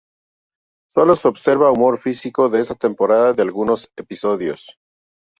Sólo se observa humor físico de esta temporada en algunos episodios.